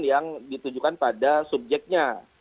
yang ditujukan pada subjeknya